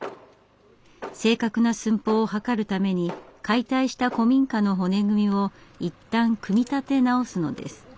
正確な寸法を測るために解体した古民家の骨組みをいったん組み立て直すのです。